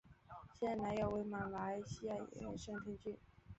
现任男友为马来西亚演员盛天俊。